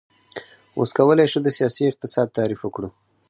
اوس کولی شو د سیاسي اقتصاد تعریف وکړو.